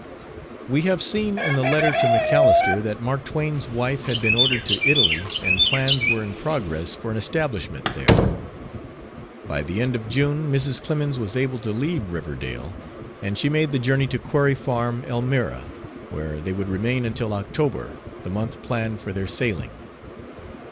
We have seen in the letter to MacAlister that Mark Twain's wife had been ordered to Italy and plans were in progress for an establishment there. By the end of June Mrs. Clemens was able to leave Riverdale, and she made the journey to Quarry Farm, Elmira, where they would remain until October, the month planned for their sailing.